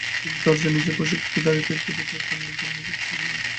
কিন্তু দরজায় নিজের প্রশিক্ষককে দাঁড়িয়ে থাকতে দেখে কেমন যেন চুপসে গেলেন।